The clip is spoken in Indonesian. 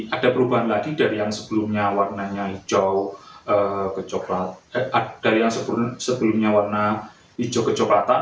ada perubahan lagi dari yang sebelumnya warnanya hijau kecoklatan